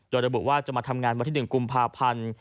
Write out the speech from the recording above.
โดยระบุว่าจะมาทำงานวันที่๑กุมภาพันธ์